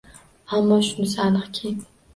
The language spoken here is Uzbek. Ammo shunisi aniqki